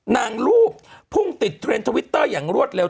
รูปพุ่งติดเทรนด์ทวิตเตอร์อย่างรวดเร็ว